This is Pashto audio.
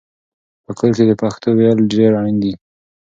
په کور کې د پښتو ویل ډېر اړین دي.